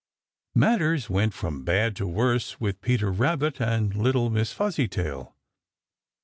Matters went from bad to worse with Peter Rabbit and little Miss Fuzzytail.